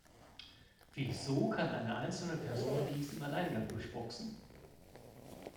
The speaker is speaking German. Wieso kann eine einzelne Person dies im Alleingang durchboxen?